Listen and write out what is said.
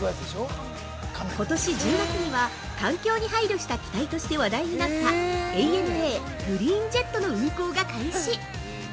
ことし１０月には、環境に配慮した機体として話題になった「エイ・エヌ・エーグリーンジェット」の運航が開始！